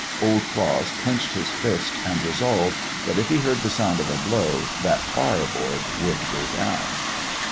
Old Claus clenched his fist, and resolved that if he heard the sound of a blow, that fireboard would go down.